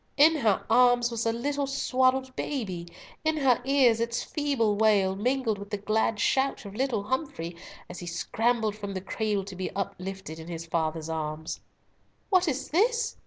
In her arms was a little swaddled baby, in her ears its feeble wail, mingled with the glad shout of little Humfrey, as he scrambled from the cradle to be uplifted in his father's arms. "What is this?"